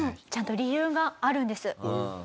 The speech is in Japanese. ちゃんと理由があるんです。